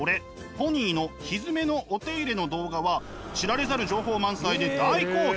「ポニーのひづめのお手入れ」の動画は知られざる情報満載で大好評。